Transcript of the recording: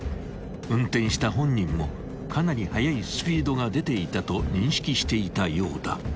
［運転した本人もかなり速いスピードが出ていたと認識していたようだ］